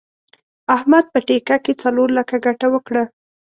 احمد په ټېکه کې څلور لکه ګټه وکړه.